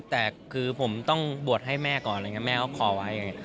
แต่คือผมต้องบวชให้แม่ก่อนแม่ก็ขอไว้